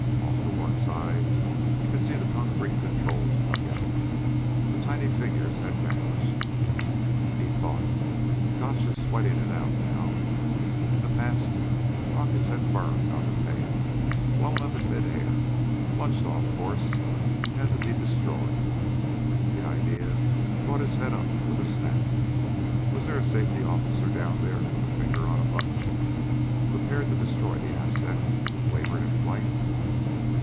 Off to one side he could see the concrete controls dugout. The tiny figures had vanished. He thought: Gotch is sweating it out now. In the past rockets had burned on the pad ... blown up in mid air ... plunged off course and had to be destroyed. The idea brought his head up with a snap. Was there a safety officer down there with a finger on a button ... prepared to destroy the Aztec if it wavered in flight?